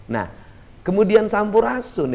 nah kemudian sampurasun